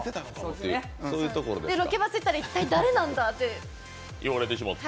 ロケバスいったら、誰なんだって言われてしまって。